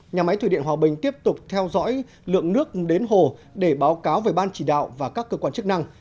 nhà máy thủy điện hòa bình tiếp tục theo dõi lượng nước đến hồ để báo cáo về ban chỉ đạo và các cơ quan chức năng